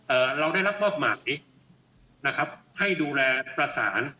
เอ่อเราได้รับบ้อบหมายให้ดูแลประสาน